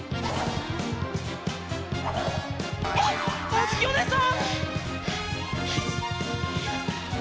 あづきおねえさん！